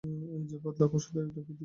এই যে পাতলা খোসাটা, এটা পৃথিবীর ভূপৃষ্ঠ!